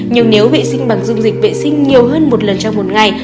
nhưng nếu vệ sinh bằng dung dịch vệ sinh nhiều hơn một lần trong một ngày